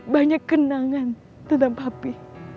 banyak kenangan tentang papi